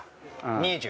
２０。